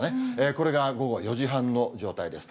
これが午後４時半の状態です。